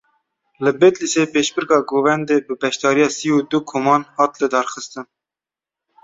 Li Bedlîsê pêşbirka Govendê bi beşdariya sî û du koman hat lidarxistin.